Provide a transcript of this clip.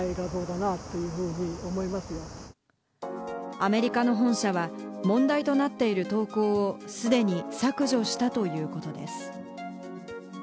アメリカの本社は問題となっている投稿をすでに削除したということです。